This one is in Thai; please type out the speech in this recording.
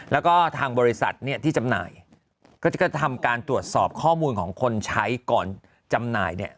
แล้วก็ทางบริษัทเนี่ยที่จำหน่ายก็จะทำการตรวจสอบข้อมูลของคนใช้ก่อนจำหน่ายเนี่ย